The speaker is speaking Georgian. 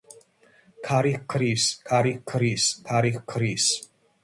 ქარი ჰქრის, ქარი ჰქრის , ქარი ჰქრის.